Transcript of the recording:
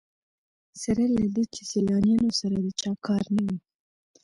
سره له دې چې سیلانیانو سره د چا کار نه وي.